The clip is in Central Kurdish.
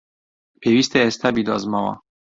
پێویستە ئێستا بیدۆزمەوە!